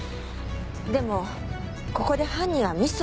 でもここで犯人はミスを犯した。